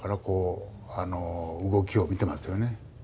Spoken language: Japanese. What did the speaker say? こう動きを見てますよね。